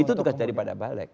itu tugas dari pada balek